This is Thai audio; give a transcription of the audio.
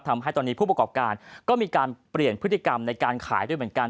ทำให้ตอนนี้ผู้ประกอบการก็มีการเปลี่ยนพฤติกรรมในการขายด้วยเหมือนกัน